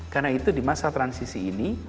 karena itu di masa transisi ini